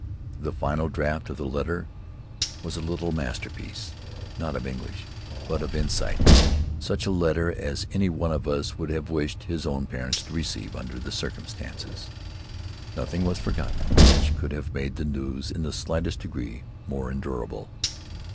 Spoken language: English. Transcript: The final draft of the letter was a little masterpiece, not of English, but of insight; such a letter as any one of us would have wished his own parents to receive under like circumstances. Nothing was forgotten which could have made the news in the slightest degree more endurable.